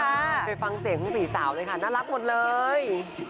ไปฟังเสียงของสี่สาวเลยค่ะน่ารักหมดเลย